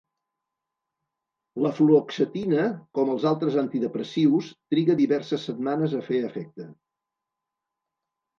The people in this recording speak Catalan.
La fluoxetina, com els altres antidepressius, triga diverses setmanes a fer efecte.